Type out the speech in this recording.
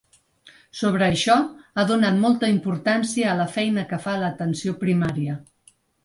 Sobre això, ha donat molta importància a la feina que fa l’atenció primària.